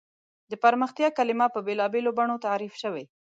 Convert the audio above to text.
د پرمختیا کلیمه په بېلابېلو بڼو تعریف شوې.